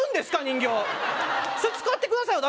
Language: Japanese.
人形それ使ってくださいよ